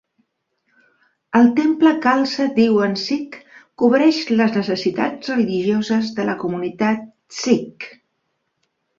El temple Khalsa Diwan Sikh cobreix les necessitats religioses de la comunitat Sikh.